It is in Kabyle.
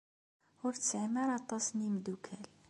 Ur tesɛim ara aṭas n yimeddukal.